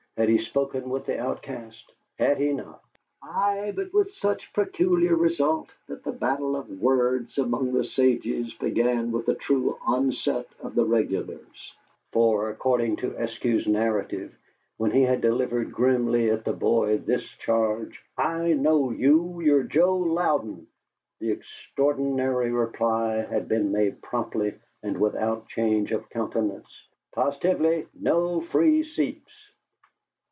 Had he spoken with the outcast? Had he not! Ay, but with such peculiar result that the battle of words among the sages began with a true onset of the regulars; for, according to Eskew's narrative, when he had delivered grimly at the boy this charge, "I know you YOU'RE JOE LOUDEN!" the extraordinary reply had been made promptly and without change of countenance: "POSITIVELY NO FREE SEATS!"